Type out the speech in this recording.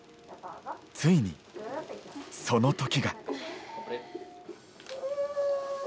ついに、そのときが。